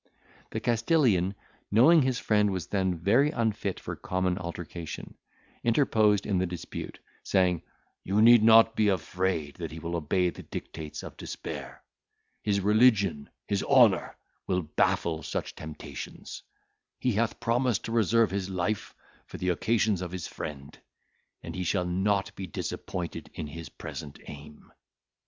The Castilian knowing his friend was then very unfit for common altercation, interposed in the dispute, saying, "You need not be afraid that he will obey the dictates of despair; his religion, his honour will baffle such temptations; he hath promised to reserve his life for the occasions of his friend; and he shall not be disappointed in his present aim."